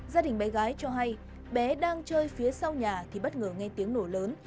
gia đình bé gái cho hay bé đang chơi phía sau nhà thì bất ngờ nghe tiếng nói